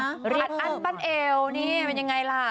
อัดอันบันเอวมันยังยังไงล่ะ